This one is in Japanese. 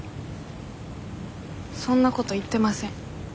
そんなこと言ってません。